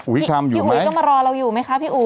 พี่อุ๋ยต้องมารอเราอยู่ไหมคะพี่อุ๋